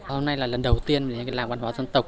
hôm nay là lần đầu tiên những cái làn văn hóa dân tộc